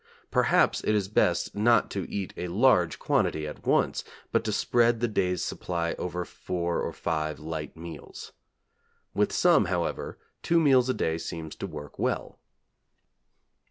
Perhaps it is best not to eat a large quantity at once, but to spread the day's supply over four or five light meals. With some, however, two meals a day seems to work well.